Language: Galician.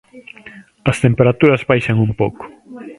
As temperaturas baixan un pouco.